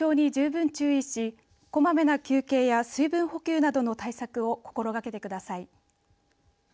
熱中症に十分注意しこまめな休憩や水分補給などの対策を心がけてください。